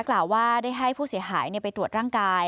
กล่าวว่าได้ให้ผู้เสียหายไปตรวจร่างกาย